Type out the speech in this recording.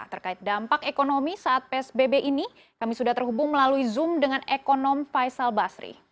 terkait dampak ekonomi saat psbb ini kami sudah terhubung melalui zoom dengan ekonom faisal basri